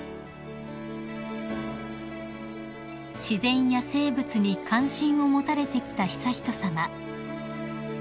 ［自然や生物に関心を持たれてきた悠仁さま］